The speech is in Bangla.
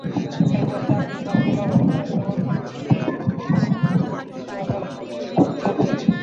এরপর চাকরির সার্কুলার হলে তহসিল অফিসে অফিস সহকারী পদে আবেদন করি।